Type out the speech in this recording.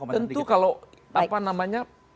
tentu kalau apa namanya